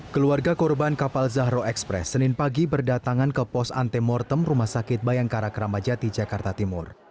keluarga korban kapal zahro express senin pagi berdatangan ke pos antemortem rumah sakit bayangkara keramajati jakarta timur